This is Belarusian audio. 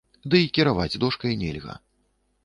Ды і кіраваць дошкай нельга.